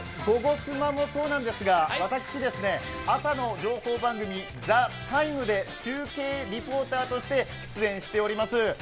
「ゴゴスマ」もそうなんですが、私朝の情報番組「ＴＨＥＴＩＭＥ，」で中継リポーターとして出演しております。